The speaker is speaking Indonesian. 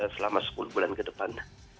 selama sepuluh bulan ke depan